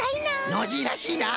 ノージーらしいな！